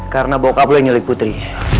karena bokap lu yang nyulik putri